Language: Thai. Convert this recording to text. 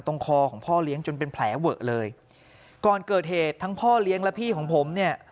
คอของพ่อเลี้ยงจนเป็นแผลเวอะเลยก่อนเกิดเหตุทั้งพ่อเลี้ยงและพี่ของผมเนี่ย